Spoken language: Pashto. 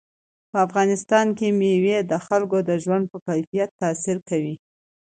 په افغانستان کې مېوې د خلکو د ژوند په کیفیت تاثیر کوي.